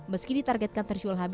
meski ditargetkan terjualan